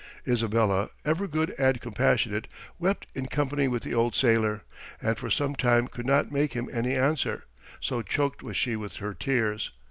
Isabella, ever good and compassionate, wept in company with the old sailor, and for sometime could not make him any answer, so choked was she with her tears.